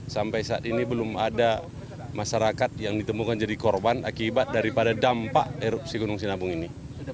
sampai saat ini belum ada masyarakat yang ditemukan jadi korban akibat daripada dampak erupsi gunung sinabung ini